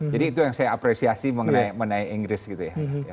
jadi itu yang saya apresiasi mengenai inggris gitu ya